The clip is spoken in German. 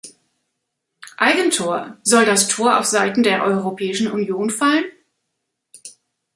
Eigentor, soll das Tor auf Seiten der Europäischen Union fallen?